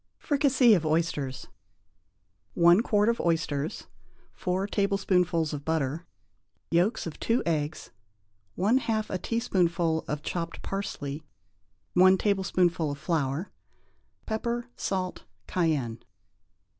=Fricassee of Oysters.= INGREDIENTS. 1 quart of oysters. 4 tablespoonfuls of butter. Yolks of 2 eggs. 1/2 a teaspoonful of chopped parsley. 1 tablespoonful of flour. Pepper, salt, cayenne.